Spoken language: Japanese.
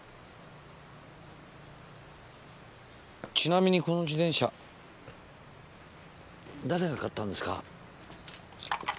ちなみにこの自転車誰が買ったんですか？